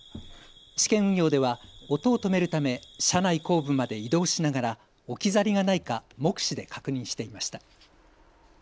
試験運用では音を止めるため車内後部まで移動しながら置き去りがないか目視で確認していました。